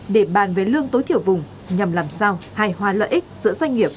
để bàn về lương tối thiểu vùng nhằm làm sao hài hòa lợi ích giữa doanh nghiệp